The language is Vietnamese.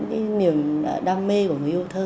cũng thỏa mãn những niềm đam mê của người yêu thơ